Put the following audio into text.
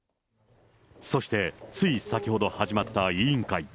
そして、つい先ほど始まった委員会。